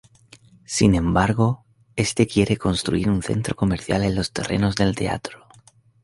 Sin embargo, este quiere construir un centro comercial en los terrenos del teatro.